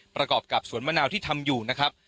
ประกอบกับสวนมะนาวที่ทำอยู่นะครับ